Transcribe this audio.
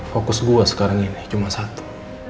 fokus gue sekarang ini cuma satu